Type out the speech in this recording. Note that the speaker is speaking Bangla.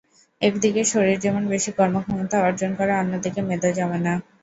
একদিকে শরীর যেমন বেশি কর্মক্ষমতা অর্জন করে, অন্যদিকে মেদও জমে না।